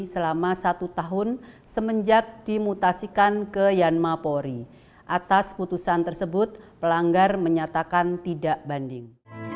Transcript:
selama satu tahun semenjak dimutasikan ke yanma polri atas putusan tersebut pelanggar menyatakan tidak banding